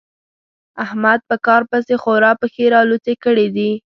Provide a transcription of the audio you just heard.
احمد په کار پسې خورا پښې رالوڅې کړې دي.